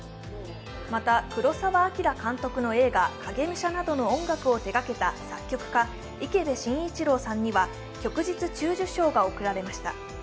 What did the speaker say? また、黒澤明監督の映画「影武者」などの音楽を手がけた作曲家・池辺晋一郎さんには旭日中綬章が贈られました。